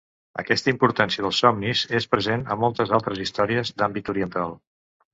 Aquesta importància dels somnis és present a moltes altres històries d'àmbit oriental.